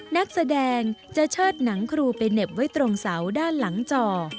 นักแสดงจะเชิดหนังครูไปเหน็บไว้ตรงเสาด้านหลังจอ